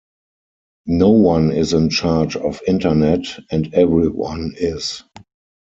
No one is in charge of internet, and everyone is.